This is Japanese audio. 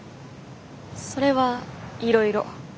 それはいろいろ。